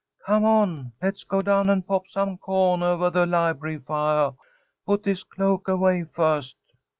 "Come on, let's go down and pop some cawn ovah the library fiah. Put this cloak away first."